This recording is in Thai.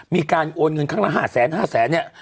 มีการโอนเงินครั้งละ๕๕๐๐๐เนี่ย